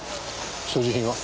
所持品は？